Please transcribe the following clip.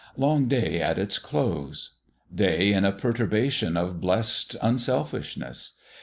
Long Day at its close. Day in a perturbation of blessed unselfishness.